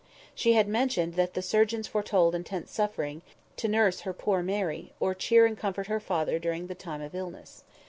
She had mentioned that the surgeons foretold intense suffering; and there was no one but herself to nurse her poor Mary, or cheer and comfort her father during the time of illness.